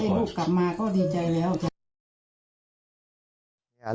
ลูกกลับมาก็ดีใจแล้ว